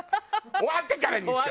終わってからにして！